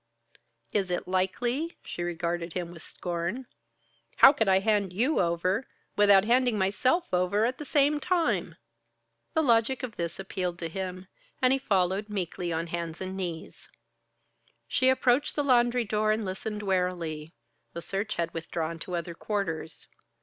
"Is it likely?" She regarded him with scorn. "How could I hand you over, without handing myself over at the same time?" The logic of this appealed to him, and he followed meekly on hands and knees. She approached the laundry door and listened warily; the search had withdrawn to other quarters.